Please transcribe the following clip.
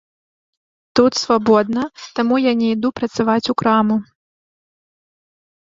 Тут свабодна, таму я не іду працаваць у краму.